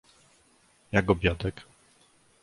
Jak obiadek?